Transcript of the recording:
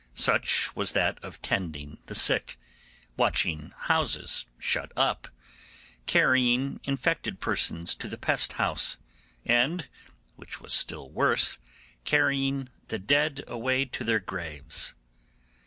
Such was that of tending the sick, watching houses shut up, carrying infected persons to the pest house, and, which was still worse, carrying the dead away to their graves.